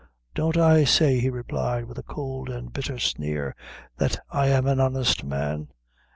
"Don't I say," he replied, with a cold and bitter sneer, "that I am an honest man."